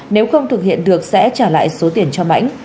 nếu không thực hiện được sẽ trả lại số tiền cho mãnh